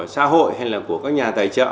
xã hội hay là của các nhà tài trợ